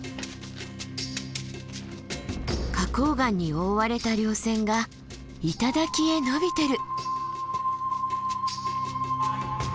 花崗岩に覆われた稜線が頂へ延びてる。